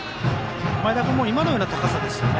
前田君も今のような高さですよね。